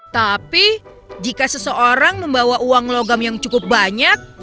tapi jika seseorang membawa uang logam yang cukup banyak